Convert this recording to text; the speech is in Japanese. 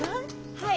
はい。